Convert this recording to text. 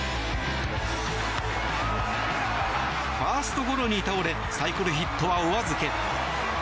ファーストゴロに倒れサイクルヒットはお預け。